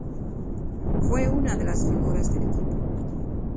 Fue una de las figuras del equipo.